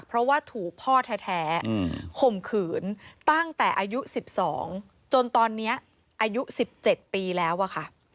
เพราะว่าถูกพ่อแท้ข่มขืนตั้งแต่อายุ๑๒จนตอนนี้อายุ๑๗ปีแล้วอะค่ะ